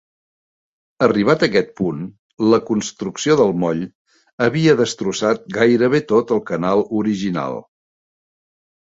Arribat aquest punt, la construcció del moll havia destrossat gairebé tot el canal original.